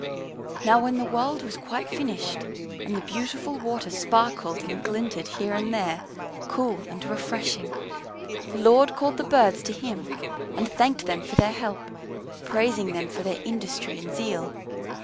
Now when the world was quite finished and the beautiful water sparkled and glinted here and there, cool and refreshing, the Lord called the birds to Him and thanked them for their help, praising them for their industry and zeal.